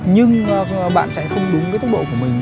nhưng bạn chạy không đúng với tốc độ của mình